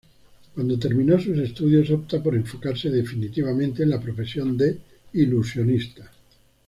Cuando terminó sus estudios, opta por enfocarse definitivamente en la profesión de ilusionista.